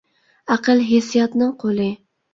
ئەقىل ھېسسىياتنىڭ قۇلى.